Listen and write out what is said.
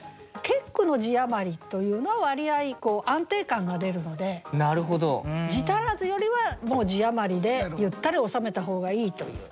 結句の字余りというのは割合安定感が出るので字足らずよりはもう字余りでゆったり収めた方がいいという。